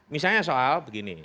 misalnya soal begini